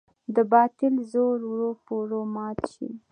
د باطل زور ورو په ورو مات شي.